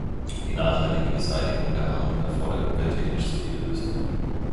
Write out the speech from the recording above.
Die nachhaltige Beseitigung der Armut erfordert umwelttechnisch solide Lösungen.